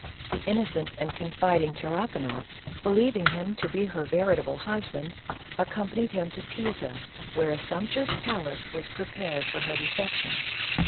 The innocent and confiding Tarrakanoff, believing him to be her veri table husband, accompanied him to Pisa, where a sumptuous palace was prepared for her reception.